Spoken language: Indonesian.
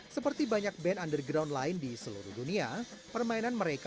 seperti banyak band underground lain mereka juga menerima aliran musik